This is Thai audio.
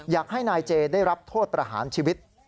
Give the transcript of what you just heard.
อยากให้นายเจได้รับโทษประหารชีวิต